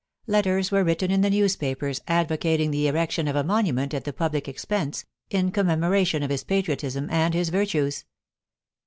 Letters were written in the newspapers advocating the erection of a monument at the public ex pense, in commemoration of his patriotism and his virtues.